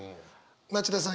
町田さん